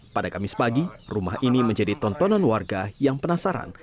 pada kamis pagi rumah ini menjadi tontonan warga yang penasaran